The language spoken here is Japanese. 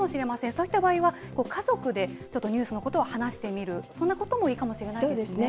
そういった場合は、家族でちょっとニュースのことを話してみる、そんなこともいいかもしれないですね。